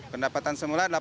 pendapatan biasa ini berapa